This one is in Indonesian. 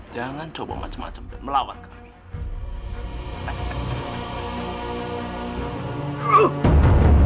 jangan coba macam macam melawan kami